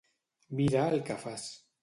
Mira el que fas.